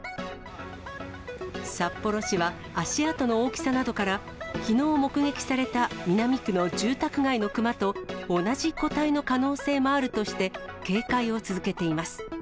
札幌市は、足跡の大きさなどから、きのう目撃された南区の住宅街のクマと同じ個体の可能性もあるとして、警戒を続けています。